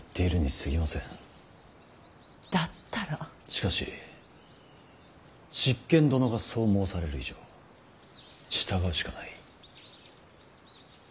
しかし執権殿がそう申される以上従うしかない。